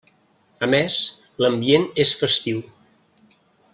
A més, l'ambient és festiu.